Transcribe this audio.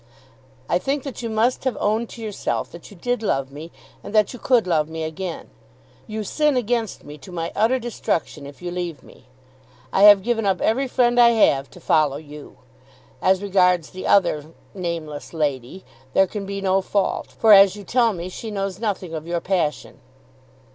I think that you must have owned to yourself that you did love me, and that you could love me again. You sin against me to my utter destruction if you leave me. I have given up every friend I have to follow you. As regards the other nameless lady, there can be no fault; for, as you tell me, she knows nothing of your passion.